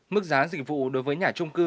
mức giá dịch vụ đối với nhà trung cư